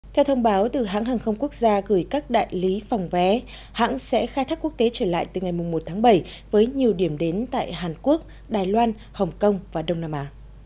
theo thông báo từ hãng hàng không quốc gia gửi các đại lý phòng vé hãng sẽ khai thác quốc tế trở lại từ ngày một tháng bảy với nhiều điểm đến tại hàn quốc đài loan hồng kông và đông nam á